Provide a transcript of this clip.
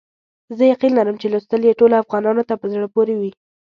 زه یقین لرم چې لوستل یې ټولو افغانانو ته په زړه پوري وي.